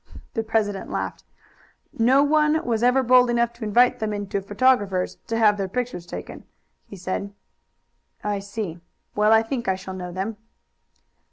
The president laughed. "No one was ever bold enough to invite them into a photographer's to have their pictures taken," he said. "I see. Well, I think I shall know them."